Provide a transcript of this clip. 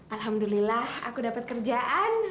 alhamdulillah aku dapat kerjaan